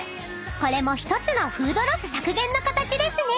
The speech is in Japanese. ［これも１つのフードロス削減の形ですね］